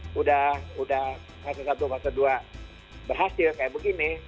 sudah fase satu fase dua berhasil seperti ini